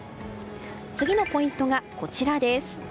次のポイントがこちらです。